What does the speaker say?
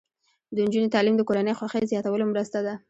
د نجونو تعلیم د کورنۍ خوښۍ زیاتولو مرسته ده.